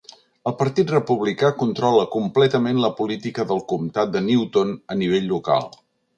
El Partit Republicà controla completament la política del comtat de Newton a nivell local.